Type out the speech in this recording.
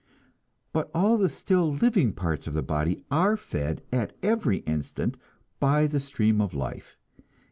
But all the still living parts of the body are fed at every instant by the stream of life.